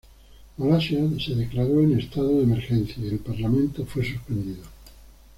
Malasia se declaró en estado de emergencia y el Parlamento fue suspendido.